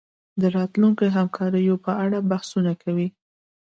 د راتلونکو همکاریو په اړه بحثونه کوي